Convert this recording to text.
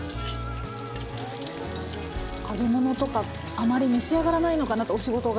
揚げ物とかあまり召し上がらないのかなとお仕事柄。